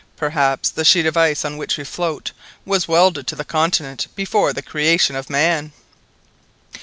Perhaps the sheet of ice on which we float was welded to the continent before the creation of man!"